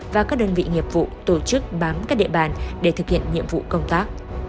và các đơn vị nghiệp vụ tổ chức bám các địa bàn để thực hiện nhiệm vụ công tác